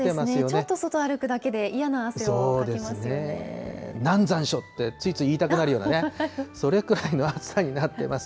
ちょっと外歩くだけで、嫌なそうですね、なんざんしょって、ついつい言いたくなるようなね、それくらいの暑さになってます。